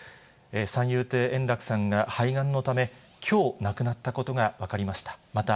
三遊亭円楽さんが肺がんのため、きょう亡くなったことが分かりました。